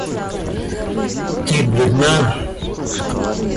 Ты бледна.